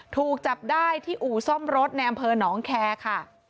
ถูกจับได้ที่อู่ซ่อมรถในอำเภอหนองแคร์ค่ะ